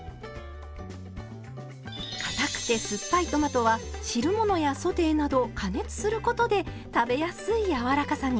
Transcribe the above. かたくて酸っぱいトマトは汁物やソテーなど加熱することで食べやすいやわらかさに。